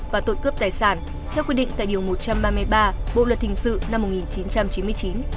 và tội cướp tài sản theo quy định tại điều một trăm ba mươi ba bộ luật hình sự năm một nghìn chín trăm chín mươi chín